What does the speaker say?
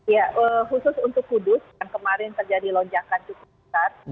ya khusus untuk kudus yang kemarin terjadi lonjakan cukup besar